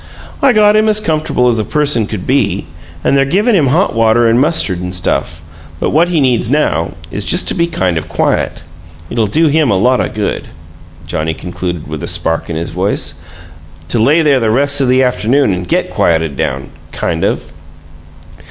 I got him as comfortable as a person could be, and they're givin' him hot water and mustard and stuff, but what he needs now is just to be kind of quiet. It'll do him a lot o' good," Johnnie concluded, with a spark in his voice, "to lay there the rest of the afternoon and get quieted down, kind of."